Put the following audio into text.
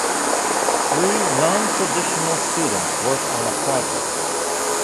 Three nontraditional students work on a project.